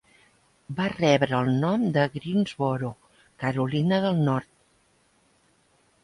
Va rebre el nom de Greensboro, Carolina del Nord.